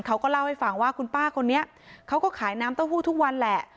เขาก็เล่าให้ฟังว่าคุณป้าคนนี้เขาก็ขายน้ำเต้าหู้ทุกวันแหละ